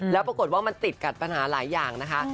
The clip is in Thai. แล้วปรากฏว่ามันติดกับปัญหาหลายอย่างนะคะ